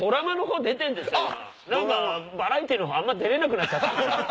バラエティーのほうあんま出れなくなっちゃった。